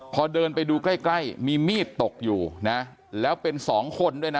พอเดินไปดูใกล้ใกล้มีมีดตกอยู่นะแล้วเป็นสองคนด้วยนะ